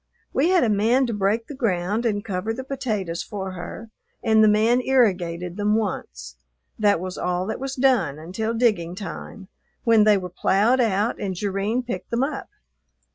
We had a man to break the ground and cover the potatoes for her and the man irrigated them once. That was all that was done until digging time, when they were ploughed out and Jerrine picked them up.